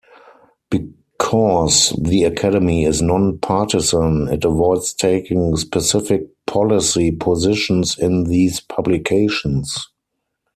Because the Academy is non-partisan, it avoids taking specific policy positions in these publications.